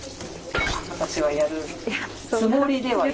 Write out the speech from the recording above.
私はやるつもりではいる。